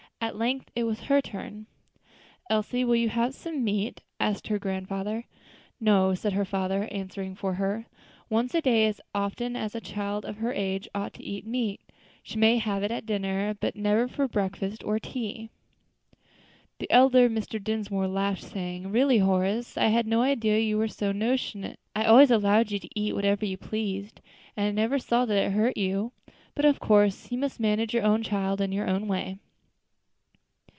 At length it was her turn. "Elsie, will you have some meat?" asked her grandfather. "No," said her father, answering for her; "once a day is as often as a child of her age ought to eat meat; she may have it at dinner, but never for breakfast or tea." The elder Mr. Dinsmore laughed, saying, "Really, Horace, I had no idea you were so notionate. I always allowed you to eat whatever you pleased, and I never saw that it hurt you. But, of course, you must manage your own child in your own way."